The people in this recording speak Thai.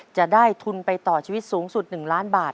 จะได้ทุนไปต่อชีวิตสูงสุด๑ล้านบาท